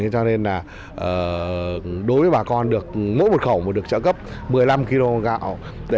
cho nên là đối với bà con mỗi một khẩu được trợ cấp một mươi năm kg gạo